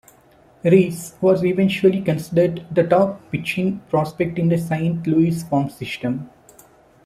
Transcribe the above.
Reyes was eventually considered the top pitching prospect in the Saint Louis farm system.